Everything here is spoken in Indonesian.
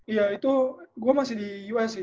iya itu gue masih di us sih